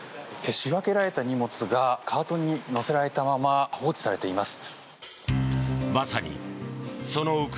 仕分けられた荷物がカートに載せられたまま放置されています。